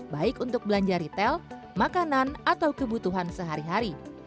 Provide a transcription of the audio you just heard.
baik untuk belanja retail makanan atau kebutuhan sehari hari